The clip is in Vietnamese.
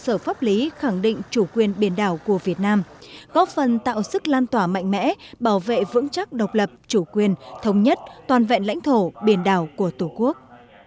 cơ sở pháp lý khẳng định chủ quyền biển đảo của việt nam góp phần tạo sức lan tỏa mạnh mẽ bảo vệ vững chắc độc lập chủ quyền thống nhất toàn vẹn lãnh thổ biển đảo của tổ quốc